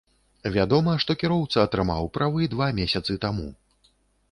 Вядома, што кіроўца атрымаў правы два месяцы таму.